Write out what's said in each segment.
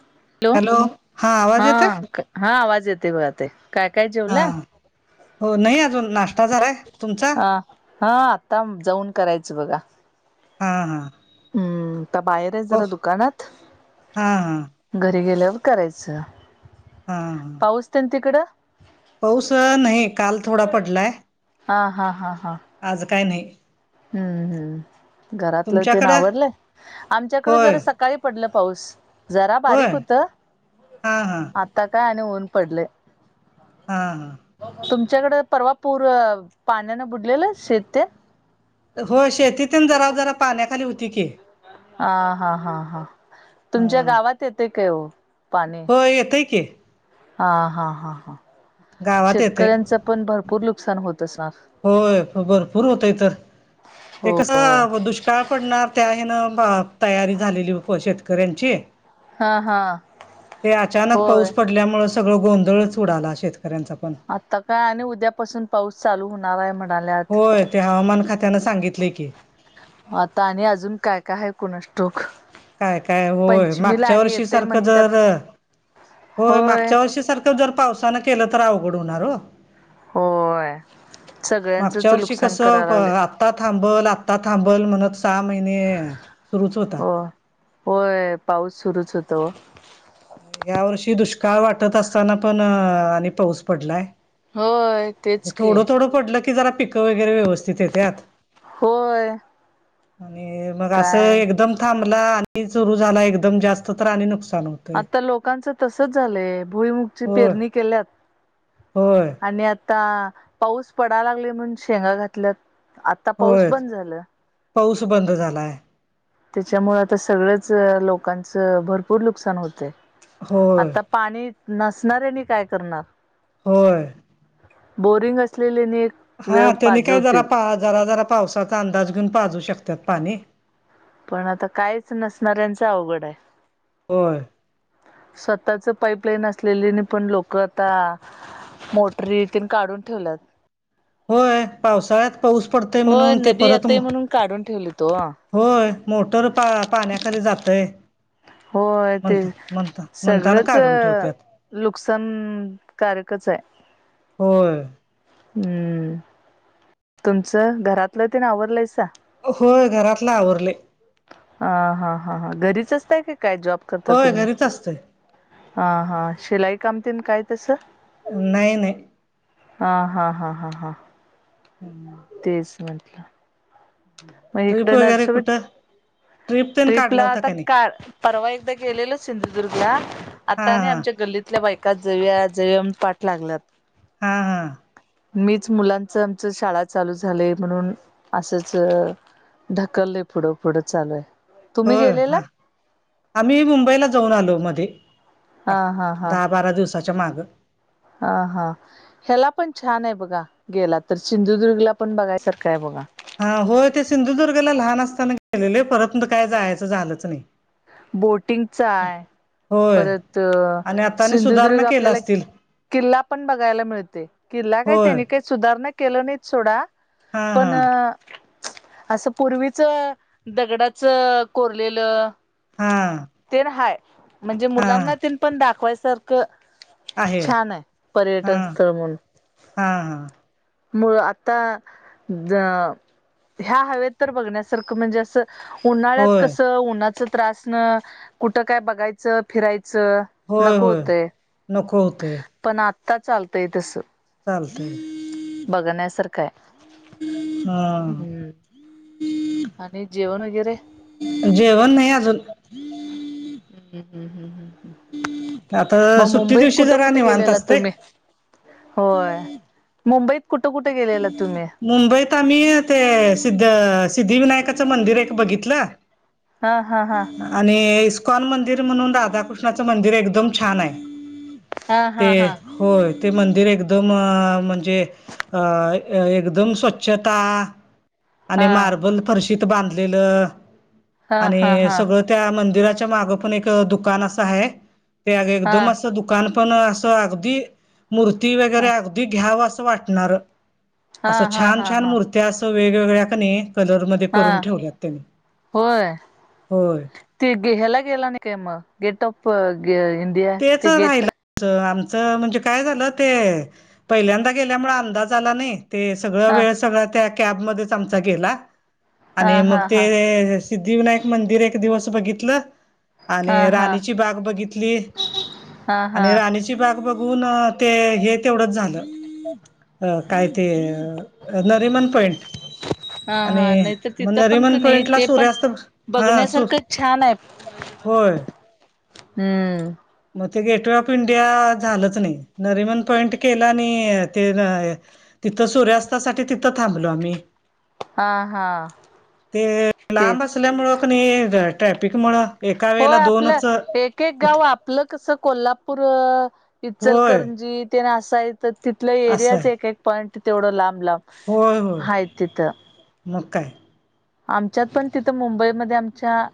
Hello! आवाज हा येतोय हा आवाज येते बघ ते काय काय. हा जेवला हो नाही अजून नाश्ता झाला, तुमचा? हा हा आता जाऊन करायचं बघा. हा हा. हम्म आ बाहेर आहे हो जरा दुकानात हा हा घरी गेल्यावर करायचं. हा हा. पाऊस तेन तिकडं? पाऊस नाही काल थोडा पडलाय. हा हा हा हा. आज काय नाही. हम्म हम्म. घरातलं तेन तुमच्याकडं आवरलं आमच्याकडे होय जरा सकाळी पडलं पाऊस जरा होय बारीक होत. हा हा आता काय आणि ऊन पडलंय हा हा तुमच्याकडें परवा पूर पाण्यानं बुडलेलं शेततेन हो शेतीतेन जरा जरा पाण्याखाली होती की. ह हा हा हा हा तुमच्या गावात येते काय ओ पाणी? हो येेतय की. हा हा हा हा गावात येतय शेतकऱ्यांच पण भरपूर नुकसान होत असणार. होय भरपूर होतय तर ते कस होय दुष्काळ पडणार त्या हे ना ब तयारी झालेली शेतकऱ्यांची. हा हा ते अचानक पाऊस होय पडल्यामुळ सगळं गोंधळच उडाला शेतकऱ्यांचा पण. आता काय आणि उद्यापासून पाऊस चालू होणार आहे म्हणाल्यात. होय ते हवामान खात्यानं सांगितलय की. आता आणि अजून काय काय हाय काय काय होय पंचमीला मागच्या आणि वर्षी येतय सारखं म्हणतात जर. हो होय मागच्या वर्षी सारखं जर पावसानं केलं तर अवघड होणार हो. होय सगळ्यांचच नुकसान करायला लागलय आता थांबल आता थांबल म्हणत सहा महिने सुरूच होता हो होय पाऊस सुरूच होत ओ या वर्षी दुष्काळ वाटत असताना पण अ आणि पाऊस पडलाय होय तेच की थोडं थोडं पडलं की जरा पिक वगैरे व्यवस्थित तिथे त्यात होय आणि मग अस काय एकदम थांबला आणि सुरू झाला एकदम जास्त तर आणि नुकसान होत आता लोकांच तसच झालंय भुईमुगची होय पेरणी केल्यात होय आणि आ - - -ता पाऊस पडा लागलय म्हणून शेंगा घातल्यात आता पाऊस होय बंद झालं पाऊस बंद झालाय त्याच्यामुळ आता सगळच लोकांचं भरपूर नुकसान होतय होय आता पाणी नसणाऱ्यांनी काय करणार होय बोरिंग असलेलेनी एक. हा वेळ त्यांनी काय जरा पाजवतील पा जरा जरा पावसाचा अंदाज घेऊन पाजू शकतात पाणी. पण आता कायच नसणाऱ्यांच अवघड आहे. होय स्वतःच पाईपलाईन असलेली नी पण लोक आता मोटरीतीन काढून ठेवल्यात होय पावसाळ्यात पाऊस पडतय होय म्हणून ते नदी परत येतय म म्हणून काढून ठेवलीत ओ. होय मोटर पा पाण्याखाली जातय होय ते म्हणता म्हणता म्हणताना सगळंच काढून ठेवत्यात लुकसानकारकच हाय होय हम्म तुमचं घरातलं तेन अवरलंयसा होय घरातल आवरलय ह हा हा हा घरीच असतय का काय जॉब करता होय तुम्ही घरीच असतोय हां हां शिलाई कामतेन काय तसं नाही नाही हा हा हा हा हां [inaudible] तीस मिनटला... मग ट्रिप इकडे नर्स.... वगैरे कुठं तेन ट्रिप काढला ला होता आता का नाही कार परवा एकदा गेलेल सिंधुदुर्गला.... हा आता नाही हा आमच्या गल्लीतल्या बायकात जऊया जऊया पाठ लागलात.... हा हा.... मीच मुलांचं आमच शाळा चालू झाल म्हणून असंच... ढकलय पुढं पुढं चालू आहे..... तुम्ही होय गेलेला? हा आम्ही मुंबईला जाऊन आलो मध्ये ह हां हां हां दहा बारा दिवसाच्या मागं.... हा हा.... ह्याला पण छान आहे बघा गेला तर सिंधुदुर्गला पण बघायसारखं आहे बघा..... हा होय ते सिंधुदुर्गला लहान असताना गेलेले परत काय जायचं झालंच नाही... बोटिंगचा आहे होय परत आणि आतानी सुधारणा सिंधुदुर्ग केल्या आपल्याला.... असतील किल्ला पण बघायला मिळते किल्ला काय होय त्यांनी काही.... सुधारणा केलं नाही सोडा हा पण... हा असं पूर्वीच दगडाच कोरलेलं.. हा..... ते हाय म्हणजे हा मुलांना ते पण दाखवायचं आहे हा म्हणून हा हां.... मु आता ह्या हव तर बघण्यासारखं म्हणजे असं.... उन्हाळ्यात होय कसं उन्हाच त्रास न कुठं काय बघायचं फिरायचं... होय नको होय होतय नको होतय पण आता चालतय तस..... चालतय.... बघण्यासारखं आहे हा हम्म.... आणि जेवण वगैरे... जेवण नाही अजून.... हम्म हम्म हम्म हम्म आता हम्म मग सुट्टी मुंबईत दिवशी कुठं जरा कुठे निवांत गेलेला असतय तुम्ही? होय मुंबईत कुठं कुठे गेलेला तुम्ही? मुंबईत आम्ही ते सिद्ध सिद्धिविनायकाचं मंदिर एक बघितलं.... हा हा हा.... आणि इस्कॉन मंदिर म्हणून राधाकृष्णाचं मंदिर एकदम छान आहे..... हा हा ते हा होय ते मंदिर एकदम अ म्हणजे अ.... अ एकदम स्वच्छता आणि हा मार्बल.... फरशीत बांधलेलं हा हा आणि हा सगळं...... त्या मंदिराच्या माग पण एक अ दुकान असं आहे ते हा हा एकदम असं दु.. दुकानं पण असं अगदी मूर्ती वगैरे अगदी घ्यावं असं वाटणार.... असं हा छान हा छान हा मूर्त्या असं वेगवेगळ्या कने कलरमध्ये करून हा ठेवल्यात त्यानी.... होय..... होय.... ते गे हेला गेला काय नाही मग गेट ऑफ अ गे इन.... तेचं राहिलं.... आमचं आमचं म्हणजे काय झालं ते पहिल्यांदा गेल्यामुळं अंदाज आला नाही.., ते सगळं हा वेळ सगळं त्या कॅबमध्येच आमचा गेला आणि हा मग हा हा ते.... सिद्धिविनायक मंदिर एक दिवस बघितलं हा आणि हा राणीची बाग बघितली..... हा हा आणि राणीची बाग बघून ते हे तेवढंच झालं.... अ काय ते अ नरिमन पॉइंट..... हा आणि हा नाहीतर म तिथं पण क नरिमन नाही पॉइंटला ते पण सूर्यास्त हा सू..... बघण्यासारखं छान आहे होय.... हम्म.... मग ते गेटवे ऑफ इंडिया झालंच नाही नरिमन पॉईंट केला आणि ते न..... तिथं सूर्यास्तासाठी तिथं थांबलो आम्ही हा हा ते लांब तेच असल्यामुळं क नी ट्रॅफिक मुळं होय आपलं एक एक गाव आप आपलं कसं कोल्हापूर अ होय इचलकरंजी तेन असं तर तिथलं असं एरियाच आहे एक एक पॉईंट तेवढं लांब लांब होय होय हाय तिथं मग काय आमच्यात पण तिथं मुंबईमध्ये आमच्या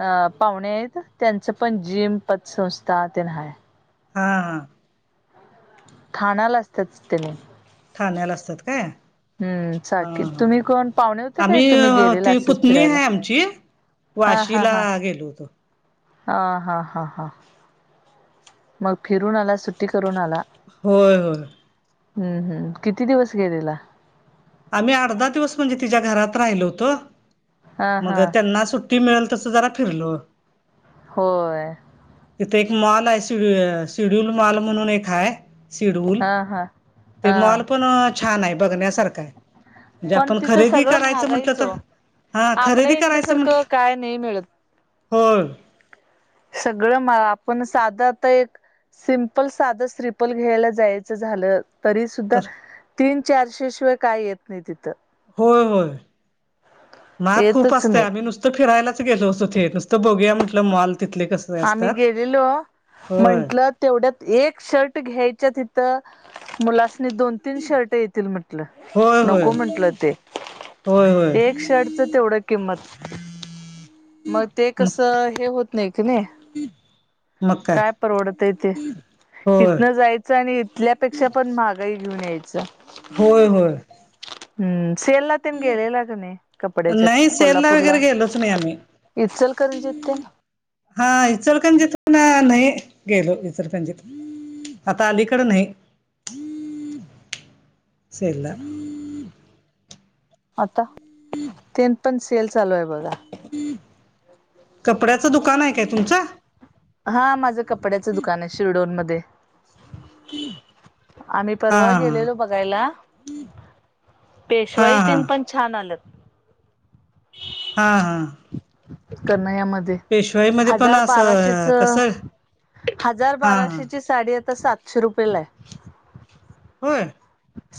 अ पाहुणे आहेत त्यांचं पण जीम पतसंस्था तेन हाय. हां हां ठाण्याला असताच की तेनी ठाण्याला असतात काय? हम्म हा चाकी हा तुम्ही कोण पाहुणे होते काय आम्ही तुम्ही गेलेला ती असंच पुतणी फिरायला हाय आमची. हा वाशी हा ला हा गेलो होतो. हा हा हा हा मग फिरून आला सुट्टी करून आला होय होय हम्म हम्म किती दिवस गेलेला? आम्ही अर्धा दिवस म्हणजे तिच्या घरात राहिलो होतो हा मग हा त्यांना सुट सुट्टी मिळेल तसं जरा फिरलो होय तिथं एक मॉल आहे सियु सिड्युल मॉल म्हणून एक हाय सिडवूल हा हा ते हा मॉल पण अ छान आहे बघण्यासारखा आहे. म्हणजे पण आपण तिथं खरेदी सगळं करायचं म्हंटलं महागाईच ओ तर हा आपल्या खरेदी इकडे करायचं सारखं म्हंटलं काय नाही मिळत हो सगळं म आपण साधं आता एक सिम्पल साधं स्रिपल घ्यायला जायचं झालं तरी सुुद्धा, तर तीन चारशे शिवाय काय येत नाही तिथं होय होय. महाग खूप येतच असतेय नाही आम्ही नुसत त फिरायलाच गेलो तेथे नुसत बघूया म्हटलं माल तिथले कसं. आम्ही गेलेलो म्हंटल तेवढ्यात एक शर्ट घ्यायच्या तिथं मुलासनी दोन तीन शर्ट येतील म्हटल, होय नको होय म्हंटल ते होय होय एक शर्ट तेवढ किंमत, मग ते म कस हे होत नाही की नाही. [inaudible] काय परवडतय ते, होय इथनं जाय आणि इथल्यापेक्षा पण महागाई घेऊन यायचं. होय होय हम्म सेल न गेलेला का नाही कपड्याच्या नाही सेलला कोल्हापूरला वगैरे गेलोच नाही आम्ही इचलकरंजीत न ते हा इचलकरंजीत ना नाही गेलो इचलकरंजीत आता अलीकड नाही. सेलला आता. तेन पण सेल चालू आहे बघा - कपड्याचं दुकान आहे काय तुमचं? हा माझं कपड्याचं दुकान आहे शिरडोन मध्ये आम्ही हा परवा गेलेलो बघायला हा पेशवाई हा हा तेन पण छान आल्यात हा हा कनयामध्ये पेशवाईमध्ये पण हजार बाराशेच असं कसं हजार हा हा बाराशे साडी आता सातशे रुपयेला आहे. होय.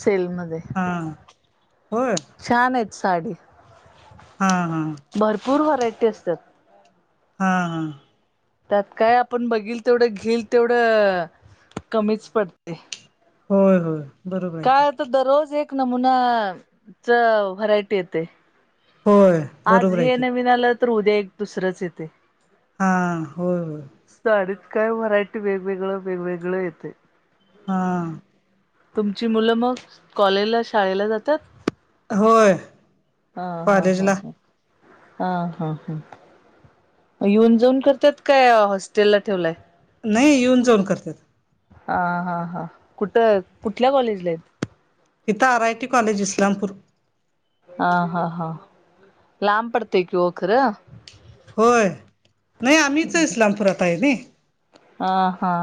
सेलमध्ये. हा हा होय. छान आहेत साडी. हा हा. भरपूर व्हरायटी असतात. हा हा. त्यात काय आपण बघील तेवढं घेईल तेवढं अ कमीच पडतेय. होय होय. बरोबर आहे की काय दररोज एक नमुना च व्हरायटी येते. होय. आज बरोबर आहे हे की नवीन आलं तर उद्या एक दुसरंच येते. हा होय होय. साडीत काय व्हरायटी वेगवेगळ वेगवेगळ येते. हा. तुमची मुलं मग कॉलेज ला शाळेला जातात. होय हा हा हा कॉलेजला. हा. हा हा हा. येऊन जाऊन करतात काय हॉस्टेला ठेवलाय. नाही येऊन जाऊन करतात. हा हा हा कुठं कुठल्या कॉलेजला आहेत. हित R I T college Islampur. हा हा हा लाब पडतेय की वो खरं. होय नाही आम्हीच इस्लामपुरात आहे नाय. हा हा.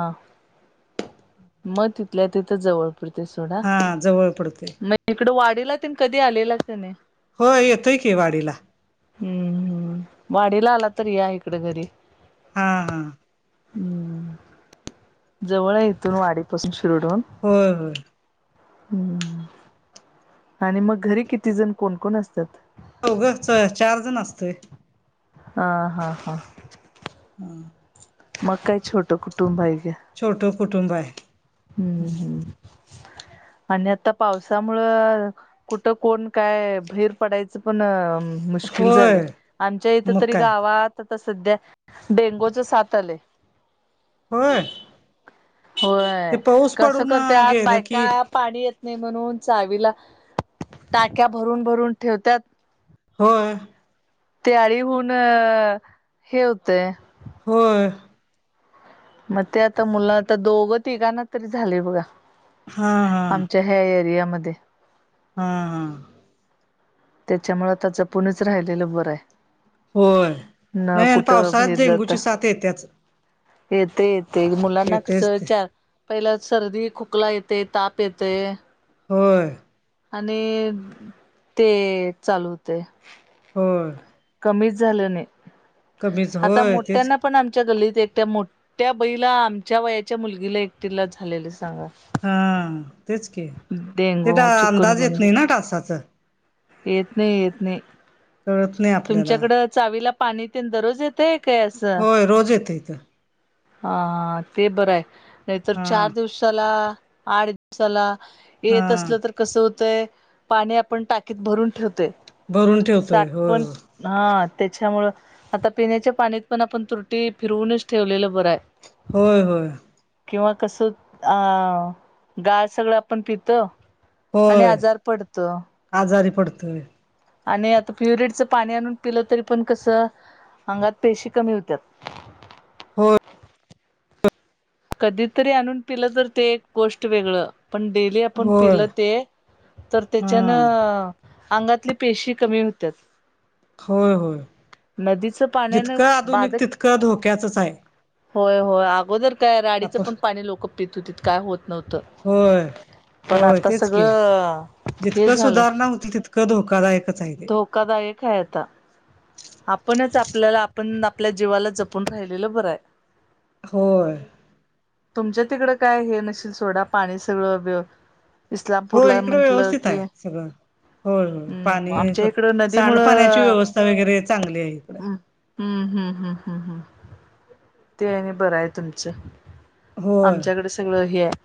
मग तिथल्या तिथं जवळ पडतंय सोडा हा जवळ पडतेय. मग इकडं वाडीला तेन कधी आलेला का नाही. हो येतोय की वाडीला. हम्म हम्म वाडीला आला तरी या इकडे घरी. हा हा हम्म जवळ इथून वाडीपासून शिरडवून. होय होय. हम् आणि मग घरी किती जण कोण कोण असतात. होघं च चार जण असतंय. हा हा हा. ह मग काय छोटं कुटुंब आहे घ्या. छोटं कुटुंब आहे. हम्म हम्म आणि आता पावसामुळं. कुठं कोण काय बैर पडायचं पण. मुश्किल झाले होय आमच्या इथ मग तरी काय गावात आता सध्या डेंगूच साथ आले. होय. ते होय पाऊस कसं पडून करत्यात गेलं की बायका. पाणी येत नाही म्हणून चावीला टाक्या भरून भरून ठेवतात. होय. ते आळी होऊन हे होतय. होय. मग ते आता मुलं आता दोघ तिघांना तरी झाले बघा. हा हा. आमच्या ह्या एरियामध्ये. हा हा. त्याच्यामुळे आता जपुणीच राहिलेलं बर आहे होय न नाही आणि कुठं पावसाळत बाहेर जाता डेंगूची साथ य त्याच येते येत मुलांना येतेच कसं वि ते चार पहिला सर्दी खोकला येते ताप येते होय आणि ते चालू होते होय कमी झालं नाही कमीच आता होय तेच मोठ्यांना पण आमच्या गल्लीत एकट्या मोठ्या बईला आमच्या वयाच्या मुलगीला एकटीला झालेलं सांगा हा तेच के ते डेंगू अंदाज येत नाही ना डासांच येेत नाही येेत नाही कळत नाही आपल्याला तुमच्याकडं चावीला पाणी ते दररोज येतय काय असं होय रोज येत इथं हा ते बरं आहे नाहीतर हा चार दिवसाला आठ दिवसाला हा येत असलं तर कस होतय पाणी आपण टाकीत भरून ठेवते भरून ठेवतोय साठ होय पण हा त्याच्यामुळं आता पिण्याच्या पाणीत पण आपण तुटी फिरवूनच ठेवलेलं बरं आहे होय होय किंवा कसं अ गाळ सगळं आपण पितो आणि होय आजार पडतो आजारी पडतोय आणि आता प्युरिडच पाणी आणून पिलं तरी पण कसं अंगात पेशी कमी होत्याात हो कधीतरी आणून पिलं तर ते एक गोष्ट वेगळं पण डेली आपण होय पिलं ते तर हा त्याच्यानं अंगातली पेशी कमी होत्यात. होय होय, नदीचं पाण्यानं जितकं आधुनिक बाधक तितकं धोक्याचच आहे होय होय अगोदर काय राडीचं आपण पण पाणी लोक पित ओति काय होत नव्हतं. होय पण होय आता तेच की सगळं हे जितकं झालंय सुधारणा होती तितकं क धोकादायकच आहेे ते कदायक आहे आता आपणच आपल्याला आपण आपल्या जीवाला जपून राहिलेलं बरं आहे होय तुमच्या तिकडं काय हे नशील सोडा पाणी सगळं हो इस्लामपूरला इकडं म्हंटलं व्यवस्थित की आहे सगळं होय होय हम्म पाणी स आमच्या इकडं सांडपाण्याची नदीमुळं व्यवस्था वगैरे चांगली आहे इकडे हम्म हम्म हम्म हम हम्म हम् ते बरं आहे तुमचं होय आमच्याकडे सगळं हे आहे